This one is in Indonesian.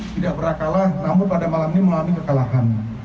tidak pernah kalah namun pada malam ini mengalami kekalahan